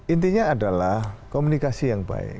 intinya adalah komunikasi yang baik